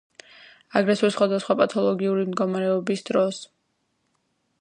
აგრეთვე სხვადასხვა პათოლოგიური მდგომარების დროს.